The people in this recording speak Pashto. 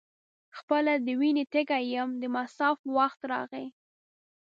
خپله د وینې تږی یم د مصاف وخت راغی.